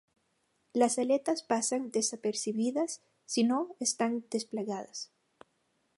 Las aletas pasan desapercibidas si no están desplegadas.